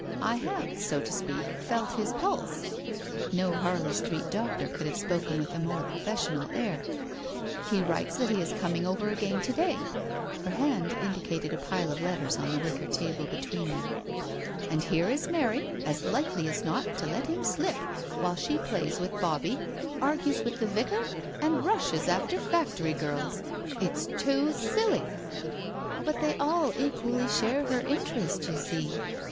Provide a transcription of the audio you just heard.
I have, so to speak, felt his pulse "— no Harley Street doctor could have spoken with a more prolessional air —" He writes that he is coming over again to day "— ^her hand indicated a pile of letters on the wicker table be tween them —" and here is Mary, as likely as not to let him slip, while she plays with Bobbie, argues with the vicar, and rushes after factory girls — it's too silly I "" But they all equally share her interest, you see!"